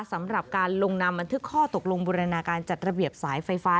สำหรับการลงนำบันทึกข้อตกลงบูรณาการจัดระเบียบสายไฟฟ้า